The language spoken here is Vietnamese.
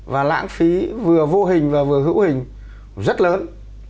và lãng phí vừa vô hình và vừa hữu hình rất lớn